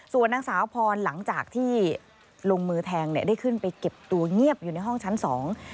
ส่วนนางสาวพรหลังจากที่ลงมือแทงเนี่ยได้ขึ้นไปเก็บตัวเงียบอยู่ในห้องชั้นสอง